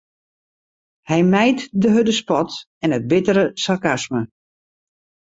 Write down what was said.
Hy mijt de hurde spot en it bittere sarkasme.